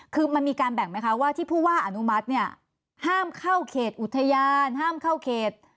คือมันมีการแบ่งไหมคะว่าที่ผู้ว่าอนุมัติเนี่ยห้ามเข้าเขตอุทยานห้ามเข้าเขต